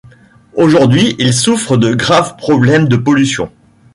Aujourd'hui, il souffre de graves problèmes de pollution.